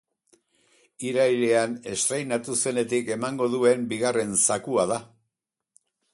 Irailean estreinatu zenetik emango duen bigarren zakua da.